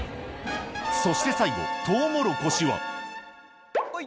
そして最後トウモロコシはほい。